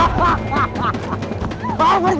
apa dikemana kamu dewi raja